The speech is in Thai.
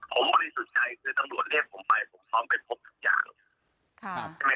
ผมบริสุทธิ์ใจคือตังโหลดเทพผมไปพร้อมไปพบทุกอย่าง